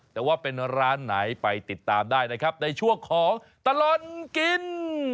แต่ว่าเป็นร้านไหนไปติดตามได้นะครับในช่วงของตลอดกิน